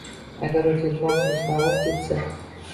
Agar u telefon qilishdan voz kechsa